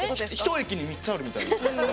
１駅に３つあるみたいな。